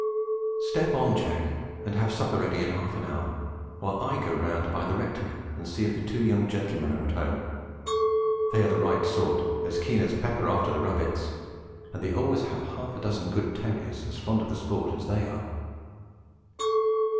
Step on, Jack, and have supper ready in half an hour, while I go round by the Rectory and see if the two young gentlemen are at home. They are the right sort, and as keen as Pepper after the rabbits, and they always have half a dozen good terriers as fond of the sport as they are.